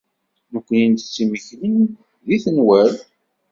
Nekkni nettett imekli deg tenwalt.